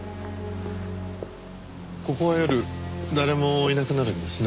ここは夜誰もいなくなるんですね。